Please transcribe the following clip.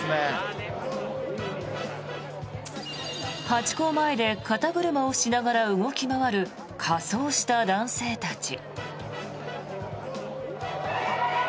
ハチ公前で肩車をしながら動き回る仮装した男性たち。